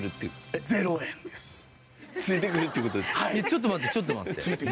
ちょっと待ってちょっと待って。